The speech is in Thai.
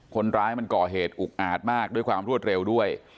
คนร้ายมันก่อเหตุอุกอาจมากด้วยความรวดเร็วด้วย